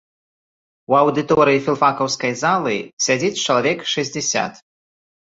У аўдыторыі філфакаўскай залы сядзіць чалавек шэсцьдзесят.